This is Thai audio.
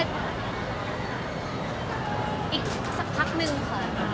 อีกสักพักนึงค่ะ